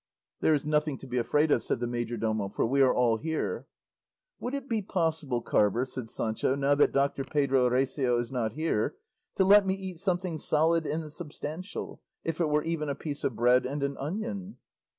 "There is nothing to be afraid of," said the majordomo, "for we are all here." "Would it be possible, carver," said Sancho, "now that Doctor Pedro Recio is not here, to let me eat something solid and substantial, if it were even a piece of bread and an onion?"